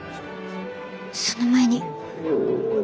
その前に。